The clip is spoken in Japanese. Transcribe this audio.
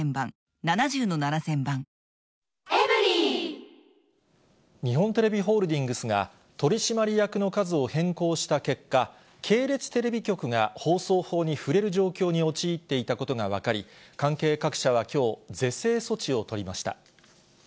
ニトリ日本テレビホールディングスが、取締役の数を変更した結果、系列テレビ局が放送法に触れる状況に陥っていたことが分かり、関係各社はきょう、是正措置を取りました。